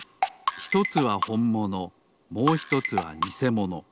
ひとつはほんものもうひとつはにせもの。